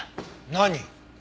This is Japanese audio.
何？